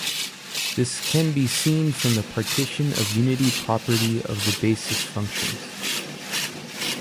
This can be seen from the partition of unity property of the basis functions.